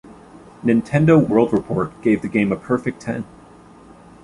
Nintendo World Report gave the game a perfect ten.